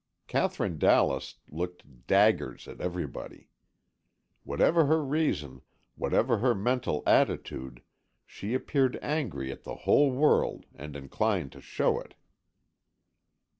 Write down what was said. Katherine Dallas looked daggers at everybody. Whatever her reason, whatever her mental attitude, she appeared angry at the whole world and inclined to show it.